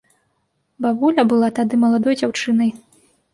Бабуля была тады маладой дзяўчынай.